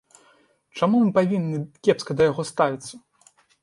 Чаму мы павінны кепска да яго ставіцца?